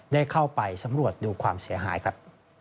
ได้เข้าไปสำรวจดูความเสียหายครับ